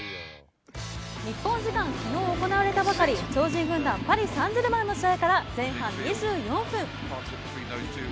日本時間昨日行われたばかり超人軍団パリ・サンジェルマンの試合から前半２４分。